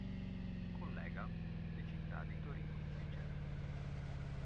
Collega le città di Torino e Genova.